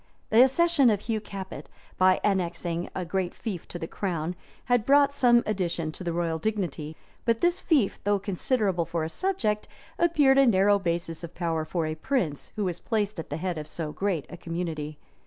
The accession of Hugh Capet, by annexing a great fief to the crown, had brought some addition to the royal dignity; but this fief, though considerable for a subject, appeared a narrow basis of power for a prince who was placed at the head of so great a community.